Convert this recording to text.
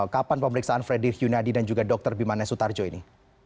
kapan pemeriksaan fredrik yunadi dan juga dr bimanes sutarjo ini